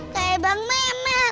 kayak bang mehmet